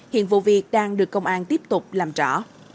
hiện vụ việc đang được công an tiếp tục làm rõ